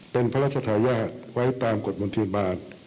เป็นพระราชทายาทไว้ตามกฎมนเทียนบาล